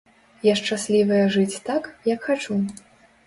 Я шчаслівая жыць так, як хачу.